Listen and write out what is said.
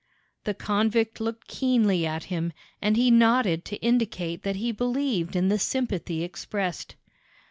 The convict looked keenly at him, and he nodded to indicate that he believed in the sympathy expressed.